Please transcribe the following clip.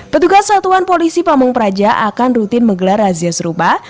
petugas satuan polisi pamung praja akan rutin menggelar razia serupa